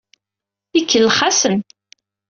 Ikellex-asen.